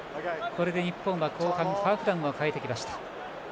これで日本は後半ハーフ団を変えてきました。